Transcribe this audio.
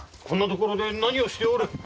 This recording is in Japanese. こんなところで何をしておる！